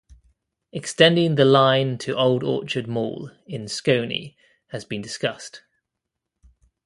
Extending the line to Old Orchard Mall in Skokie has been discussed.